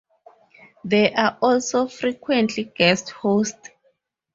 There are also frequent guest hosts.